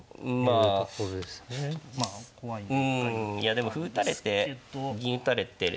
いやでも歩打たれて銀打たれて冷静に。